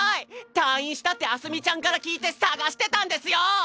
退院したって明日海ちゃんから聞いて捜してたんですよ！